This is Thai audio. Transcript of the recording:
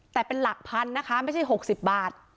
แต่เป็นหลักพันนะคะไม่ใช่๖๐บาท